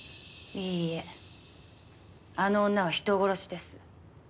いいえあの女は人殺しです。